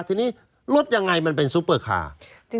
ทีนี้ลดยังไงมันเป็นซุปเปอร์คาร์